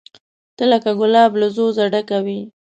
ته لکه ګلاب له ځوزه ډکه وې